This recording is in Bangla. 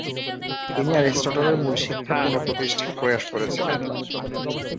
তিনি অ্যারিস্টটলের মূল শিক্ষা পুনঃপ্রতিষ্ঠার প্রয়াস করেছিলেন।